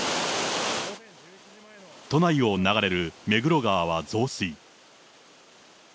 都内を流れる目黒川は増水。